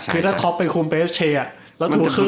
คือถ้าคล็อปเป็นคุมเป๊ะเชอ่ะ